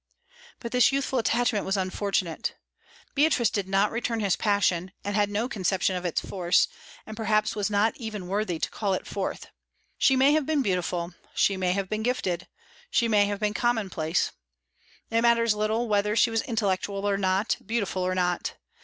But this youthful attachment was unfortunate. Beatrice did not return his passion, and had no conception of its force, and perhaps was not even worthy to call it forth. She may have been beautiful; she may have been gifted; she may have been commonplace. It matters little whether she was intellectual or not, beautiful or not.